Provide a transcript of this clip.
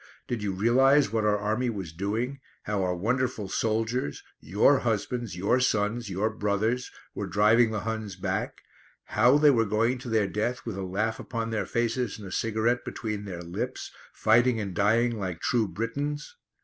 Did you realise what our Army was doing; how our wonderful soldiers your husbands, your sons, your brothers were driving the Huns back; how they were going to their death with a laugh upon their faces and a cigarette between their lips, fighting and dying like true Britons?